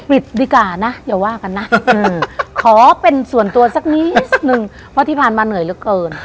ดีกว่านะอย่าว่ากันนะขอเป็นส่วนตัวสักนิดนึงเพราะที่ผ่านมาเหนื่อยเหลือเกิน